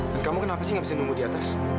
dan kamu kenapa sih nggak bisa nunggu di atas